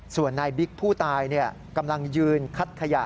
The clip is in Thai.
ส่วนนายบิ๊กผู้ตายกำลังยืนคัดขยะ